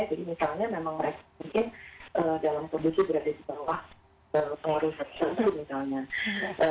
jadi misalnya memang mereka mungkin dalam kondisi berada di bawah pengurusan seluruh misalnya